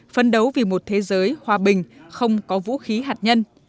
phấn đấu vì một thế giới hòa bình không có vũ khí hạt nhân